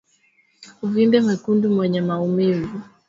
Uvimbe mwekundu wenye maumivu